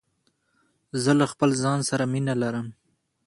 زه له خپل ځان سره مینه لرم.